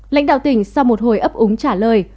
lãnh đạo tỉnh sau một hồi ấp ống trả lời